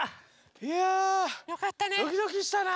いやドキドキしたな。